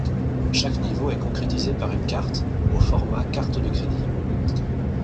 Chaque niveau est concrétisé par une carte au format carte de crédit.